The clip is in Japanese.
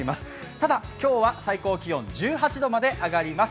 ただ今日は最高気温１８度まで上がります。